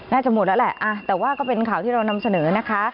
น่าจะหมดแล้วแหละแต่ว่าก็เป็นข่าวที่เรานำเสนอนะคะ